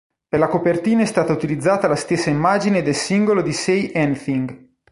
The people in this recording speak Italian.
Per la copertina è stata utilizzata la stessa immagine del singolo di Say Anything.